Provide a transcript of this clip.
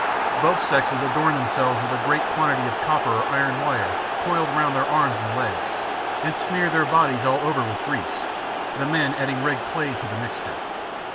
Both sexes adorn themselves with a great quantity of copper or iron wire coiled round their arms and legs, and smear their bodies all over with grease, the men adding red clay to the mixture.